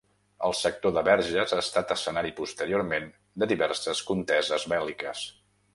El sector de Verges ha estat escenari, posteriorment, de diverses conteses bèl·liques.